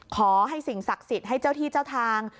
ขอให้สิ่งศักดิ์สิทธิ์ให้เจ้าที่เจ้าทาง